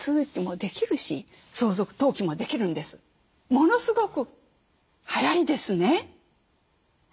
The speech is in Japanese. ものすごく速いですね。